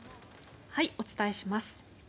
お伝えします。